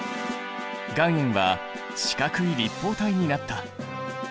岩塩は四角い立方体になった。